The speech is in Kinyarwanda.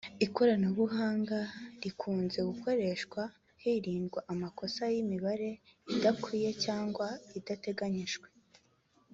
ikoranabuhanga rikunze gukoreshwa hirindwa amakosa y’ imibare idakwiye cyangwa idateganijwe.